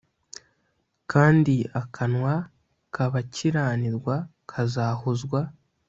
Kandi akanwa k’abakiranirwa kazahozwa